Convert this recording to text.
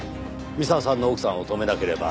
三沢さんの奥さんを止めなければ。